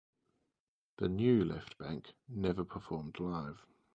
The "New" Left Banke never performed live.